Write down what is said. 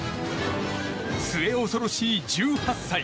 末恐ろしい１８歳。